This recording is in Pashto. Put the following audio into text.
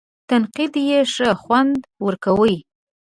تنقید یې ښه خوند ورکوي.